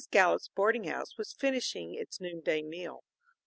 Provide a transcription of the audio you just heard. Gallup's boarding house was finishing its noonday meal.